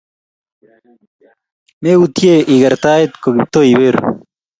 meutie i ker tait koKiptooo iwe i ruu